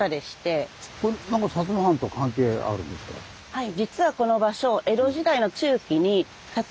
はい。